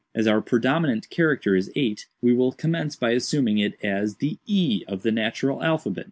As our predominant character is 8, we will commence by assuming it as the e of the natural alphabet.